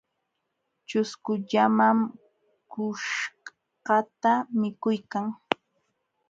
Ćhusku llaman quśhqata mikuykan.